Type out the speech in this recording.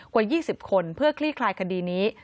กว่า๒๐คนเพื่อคลี่คลายคดีนี้